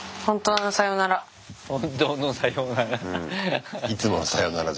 本当のさようなら。